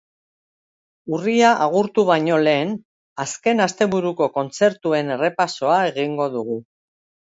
Urria agurtu baino lehen, azken asteburuko kontzertuen errepasoa egingo dugu.